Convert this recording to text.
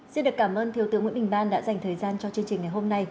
xin được cảm ơn thiếu tướng nguyễn bình ban đã dành thời gian cho chương trình ngày hôm nay